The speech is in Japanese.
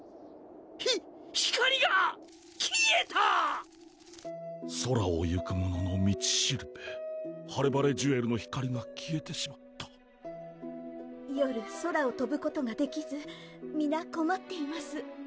ひ光が消えた⁉空を行く者の道標・ハレバレジュエルの光が消えてしまった夜空をとぶことができず皆こまっています